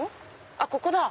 あっここだ。